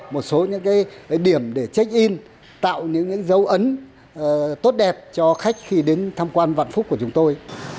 một số những điểm để check in tạo những dấu ấn tốt đẹp cho khách khi đến thăm quan vận phục của chúng tôi